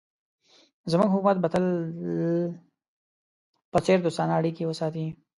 زموږ حکومت به د تل په څېر دوستانه اړیکې وساتي.